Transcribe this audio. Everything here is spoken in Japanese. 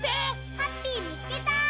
ハッピーみつけた！